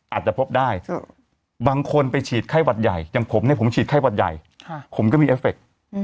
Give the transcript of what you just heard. อาจจะพบได้บางคนไปฉีดไข้หวัดใหญ่อย่างผมเนี่ยผมฉีดไข้หวัดใหญ่ผมก็มีเอฟเฟค